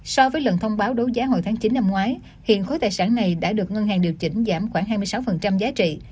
so với lần thông báo đấu giá hồi tháng chín năm ngoái hiện khối tài sản này đã được ngân hàng điều chỉnh giảm khoảng hai mươi sáu giá trị